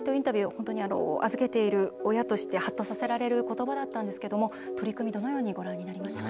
本当に預けている親としてはっとさせられる言葉だったんですけども取り組みどのようにご覧になりましたか？